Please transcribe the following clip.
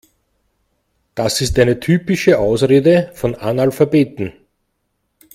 Das ist eine typische Ausrede von Analphabeten.